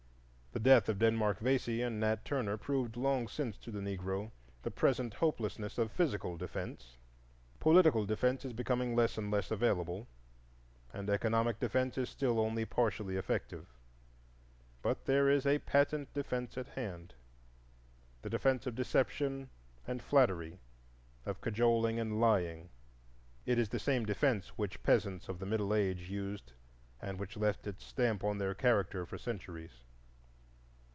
The death of Denmark Vesey and Nat Turner proved long since to the Negro the present hopelessness of physical defence. Political defence is becoming less and less available, and economic defence is still only partially effective. But there is a patent defence at hand,—the defence of deception and flattery, of cajoling and lying. It is the same defence which peasants of the Middle Age used and which left its stamp on their character for centuries.